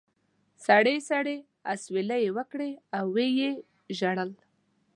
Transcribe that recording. سړې سړې اسوېلې یې وکړې او و یې ژړل.